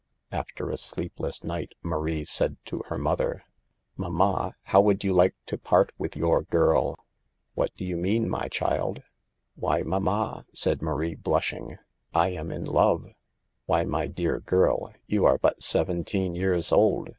After a sleepless night Marie said to her mother :" Mamma, how would you like to part with your girl ?"" What do you mean, my child? " "Why, mamma," said Marie, blushing, "1 am in love." « Why, my dear girl, you are but seventeen years old.